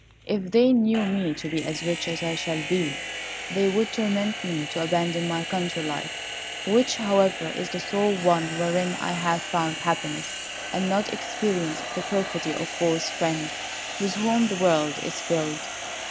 If they knew me to be as rich as I shall be, they would torment me to abandon my country life, which, however, is the sole one wherein I have found happiness, and not experienced the perfidy of false friends, with whom the world is filled."